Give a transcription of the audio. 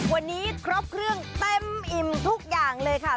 วันนี้ครบเครื่องเต็มอิ่มทุกอย่างเลยค่ะ